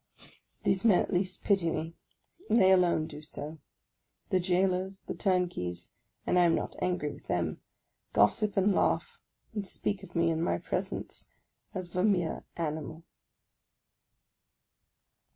These men at least pity me, and they alone do so. The jailors, the turnkeys, — and I am not angry with them, — gossip and laugh, and speak of me in my presence as of a mere animal.